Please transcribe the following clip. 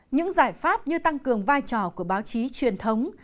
những giải pháp như tăng cường vai trò của báo chí truyền thống